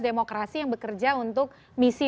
demokrasi yang bekerja untuk misi